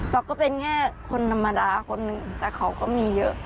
เราก็เป็นแค่คนธรรมดาคนหนึ่งแต่เขาก็มีเยอะ